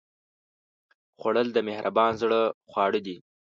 خوړل د مهربان زړه خواړه دي